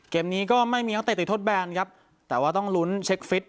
เกมนี้ก็ไม่มีนักเตะติดทดแบนครับแต่ว่าต้องลุ้นเช็คฟิต